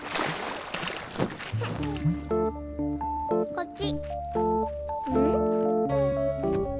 こっち。